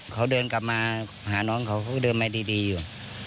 เขาเดินกลับมาหาน้องเขาเขาก็เดินมาดีอยู่